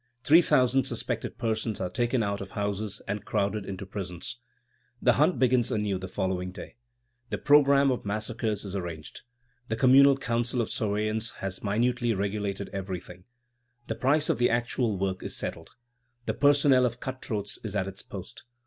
Three thousand suspected persons are taken out of houses, and crowded into prisons. The hunt begins anew the following day. The programme of massacres is arranged. The Communal Council of Surveillance has minutely regulated everything. The price of the actual work is settled. The personnel of cut throats is at its post.